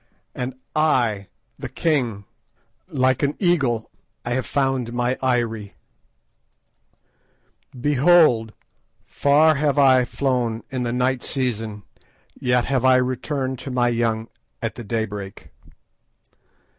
"And I—! the king—like an eagle I have found my eyrie. "Behold! far have I flown in the night season, yet have I returned to my young at the daybreak.